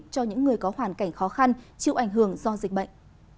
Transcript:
cho những người có hoàn cảnh khó khăn chịu ảnh hưởng do dịch bệnh